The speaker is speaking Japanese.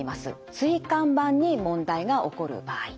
椎間板に問題が起こる場合。